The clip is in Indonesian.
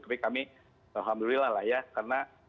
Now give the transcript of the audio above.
tapi kami alhamdulillah lah ya karena